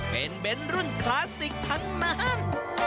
เป็นเน้นรุ่นคลาสสิกทั้งนั้น